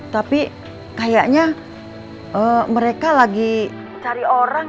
tapi kayaknya mereka lagi cari orang